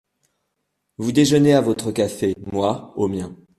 Vous déjeunez à votre café… moi, au mien…